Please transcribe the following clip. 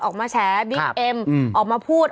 ออกมาแฉบิ๊กเอ็มออกมาพูด